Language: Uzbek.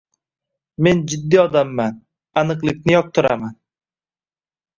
Men jiddiy odamman, aniqlikni yoqtiraman.